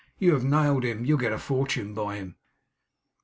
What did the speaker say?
'You have nailed him. You'll get a fortune by him.